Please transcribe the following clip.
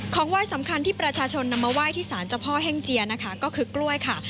ไหว้สำคัญที่ประชาชนนำมาไหว้ที่สารเจ้าพ่อแห้งเจียนะคะก็คือกล้วยค่ะ